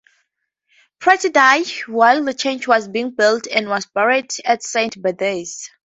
Pratt died while the church was being built and was buried at Saint Bede's.